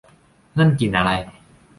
นั่นกลิ่นอะไร